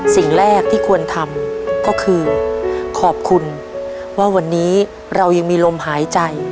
สิ่งแรกที่ควรทำก็คือขอบคุณว่าวันนี้เรายังมีลมหายใจ